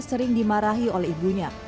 sering dimarahi oleh ibunya